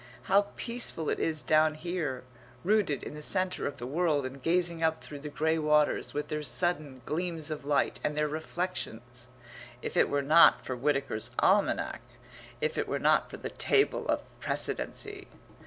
How peaceful it is down here, rooted in the centre of the world and gazing up through the grey waters, with their sudden gleams of light, and their reflections if it were not for Whitaker's Almanack if it were not for the Table of Precedency!